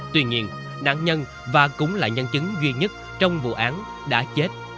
tuy nhiên nạn nhân và cũng là nhân chứng duy nhất trong vụ án đã chết